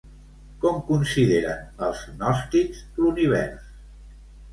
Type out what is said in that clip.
Com consideren els gnòstics l'Univers?